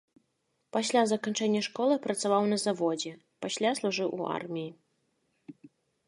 Пасля заканчэння школы працаваў на заводзе, пасля служыў у арміі.